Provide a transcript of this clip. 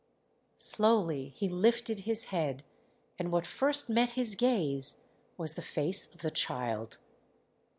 Slowly he lifted his head, and what first met his gaze was the face of the child.